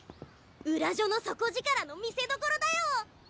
浦女の底力の見せどころだよ！